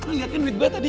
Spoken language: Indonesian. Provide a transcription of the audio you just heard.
lo liat kan duit gue tadi